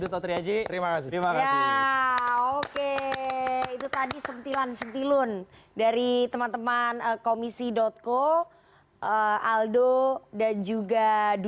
duto triaji terima kasih ya oke itu tadi sentilan sentilun dari teman teman komisi co aldo dan juga